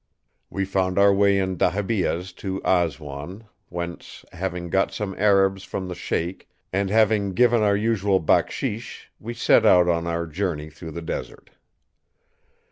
We found our way in dhahabiyehs to Aswan; whence, having got some Arabs from the Sheik and having given our usual backsheesh, we set out on our journey through the desert.